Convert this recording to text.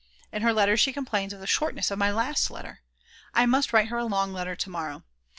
In her letter she complains of the "shortness of my last letter." I must write her a long letter to morrow.